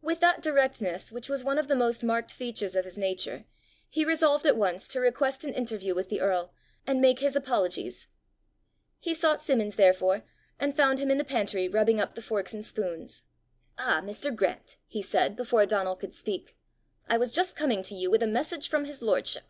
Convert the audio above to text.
With that directness which was one of the most marked features of his nature, he resolved at once to request an interview with the earl, and make his apologies. He sought Simmons, therefore, and found him in the pantry rubbing up the forks and spoons. "Ah, Mr. Grant," he said, before Donal could speak, "I was just coming to you with a message from his lordship!